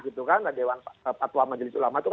dewan patua majelis ulama itu